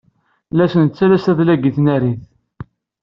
La as-nettales adlag i tnarit.